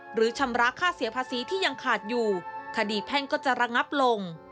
ชำระค่าเสียภาษีที่ยังขาดอยู่คดีแพ่งก็จะระงับลง